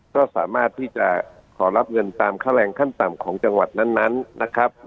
ก็สามารถที่จะขอรับเงินตามค่าแรงขั้นต่ำของจังหวัดนั้นนะครับ